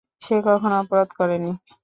সে কখনো অপরাধ করেনি।